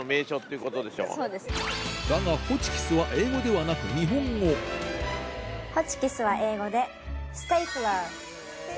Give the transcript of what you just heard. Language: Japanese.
だが「ホチキス」は英語ではなく日本語「ホチキス」は英語で。